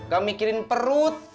gak mikirin perut